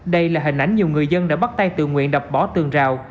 đây là hình ảnh nhiều người dân đã bắt tay tự nguyện đập bỏ tường rào